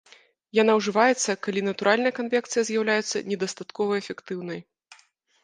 Яна ўжываецца, калі натуральная канвекцыя з'яўляецца недастаткова эфектыўнай.